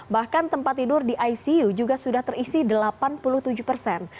bahkan tempat tidur di icu juga sudah terisi delapan puluh tujuh persen